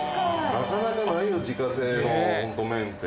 なかなかないよ自家製の麺って。